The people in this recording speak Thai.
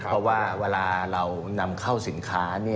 เพราะว่าเวลาเรานำเข้าสินค้า